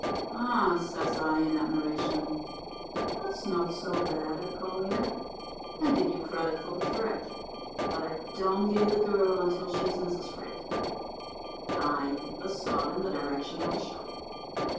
'Ah!' says I, in admiration, 'that's not so bad, Ed Collier. I give you credit for the trick. But I don't give you the girl until she's Mrs. Freak.' "I hit the sod in the direction of the show.